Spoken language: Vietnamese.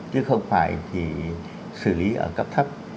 chứ không phải chỉ xử lý ở cấp thấp